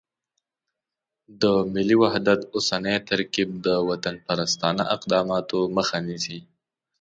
د ملي وحدت اوسنی ترکیب د وطنپرستانه اقداماتو مخه نیسي.